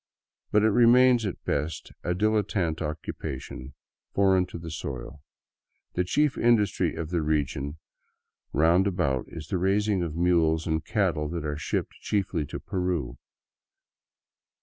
But it remains at best a dilettante occupation, foreign to the soil. The chief industry of the region round about is the raising of mules and cattle that are shipped chiefly to Peru.